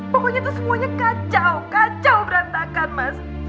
pokoknya itu semuanya kacau kacau berantakan mas